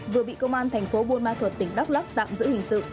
vừa bị công an thành phố buôn ma thuật tỉnh đắk lắc tạm giữ hình sự